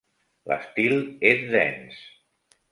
L'estil és dens.